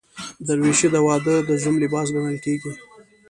دریشي د واده د زوم لباس ګڼل کېږي.